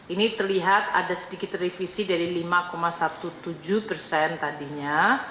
ini terlihat ada sedikit revisi dari lima tujuh belas persen tadinya